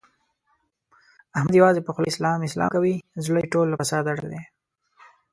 احمد یوازې په خوله اسلام اسلام کوي، زړه یې ټول له فساده ډک دی.